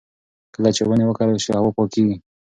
کله چې ونې وکرل شي، هوا پاکېږي.